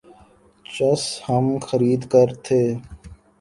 چس ہم خرید کر تھے